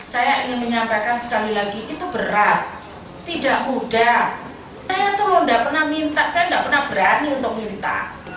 saya ingin menyampaikan sekali lagi itu berat tidak mudah saya tuh nggak pernah minta saya tidak pernah berani untuk minta